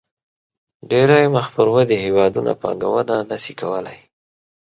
ډېری مخ پر ودې هېوادونه پانګونه نه شي کولای.